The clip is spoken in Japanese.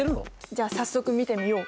じゃあ早速見てみよう。